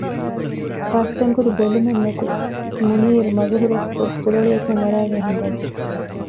ފަސްއެނބުރި ބެލުމެއް ނެތި މުނީރު މަގު ހުރަސްކޮށް ކުރޮޅިއަކަށް އަރައިގެން ހިނގައްޖެ